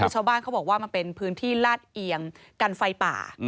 คือชาวบ้านเขาบอกว่ามันเป็นพื้นที่ลาดเอียงกันไฟป่า